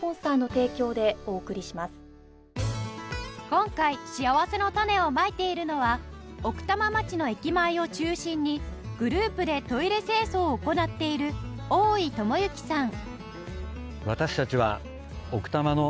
今回しあわせのたねをまいているのは奥多摩町の駅前を中心にグループでトイレ清掃を行っている大井朋幸さん